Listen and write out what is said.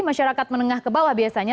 masyarakat menengah ke bawah biasanya